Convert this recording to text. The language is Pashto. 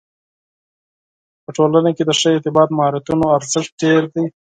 په ټولنه کې د ښه ارتباط مهارتونو ارزښت ډېر دی.